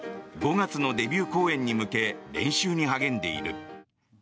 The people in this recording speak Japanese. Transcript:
５月のデビュー公演に向け練習に励んでいる。